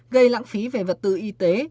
gây lãng phí về vật tự y tế